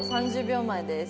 ３０秒前です。